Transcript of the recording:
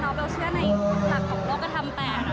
เราเชื่อในผลักษณ์ของโลกธรรม๘